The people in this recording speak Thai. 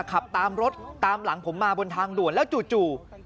ขับตามรถตามหลังผมมาบนทางด่วนแล้วจู่